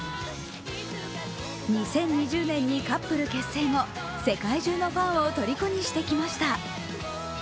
２０２０年にカップル結成後、世界中のファンをとりこにしてきました。